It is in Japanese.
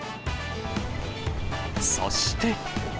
そして。